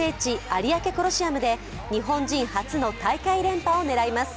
有明コロシアムで日本人初の大会連覇を狙います。